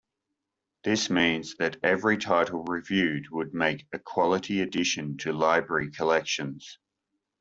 This means that every title reviewed would make a quality addition to library collections.